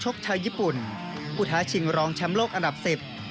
ชกชาวญี่ปุ่นผู้ท้าชิงรองช้ำโลกอันดับ๑๐